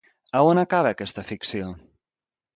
A on acaba aquesta ficció?